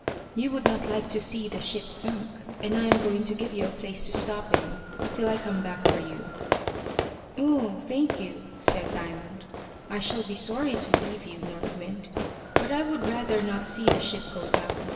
You would not like to see the ship sunk, and I am going to give you a place to stop in till I come back for you." "Oh! thank you," said Diamond. "I shall be sorry to leave you, North Wind, but I would rather not see the ship go down.